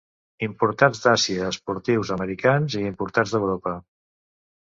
Importats d'Àsia, esportius, americans i importats d'Europa.